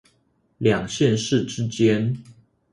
兩縣市之間